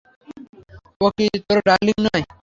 ও কি তোর ডার্লিং নয়?